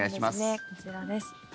こちらです。